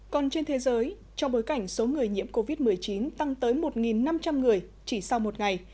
còn trên thế giới trong bối cảnh số người nhiễm covid một mươi chín tăng tới một năm trăm linh người chỉ sau một ngày